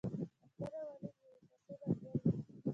احمد او علي د یوې کاسې ملګري دي.